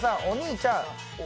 お兄ちゃん